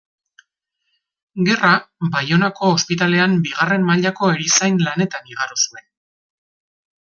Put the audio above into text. Gerra Baionako ospitalean bigarren mailako erizain lanetan igaro zuen.